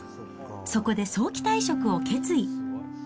そこで早期退職を決意。